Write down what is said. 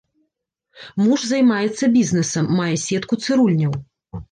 Муж займаецца бізнесам, мае сетку цырульняў.